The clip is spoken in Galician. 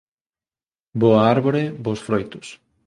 Boa árbore, bos froitos.